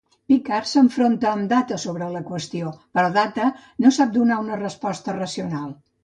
Picard s'enfronta amb Data sobre la qüestió, però Data no sap donar una resposta racional.